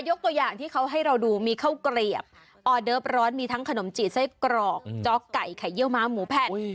ตัวอย่างที่เขาให้เราดูมีข้าวเกลียบออเดิฟร้อนมีทั้งขนมจีไส้กรอกจ๊อกไก่ไข่เยี่ยวม้าหมูแผ่น